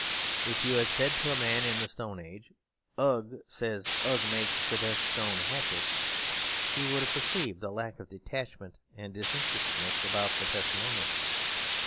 If you had said to a man in the Stone Age, 'Ugg says Ugg makes the best stone hatchets,' he would have perceived a lack of detachment and disinterestedness about the testimonial.